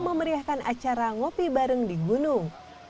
memeriahkan acara ngopi bareng di gunung